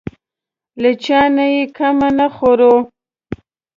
له چا نه یې کمه نه خورو.